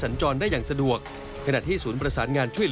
ประการสนพระระบบ